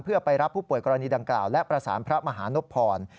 เพื่อไปรับผู้ป่วยกรณีดังกล่าวและประสานพระมหานพร